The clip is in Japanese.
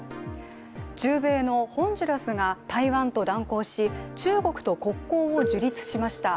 中米のホンジュラスが台湾と断交し、中国と国交を樹立しました。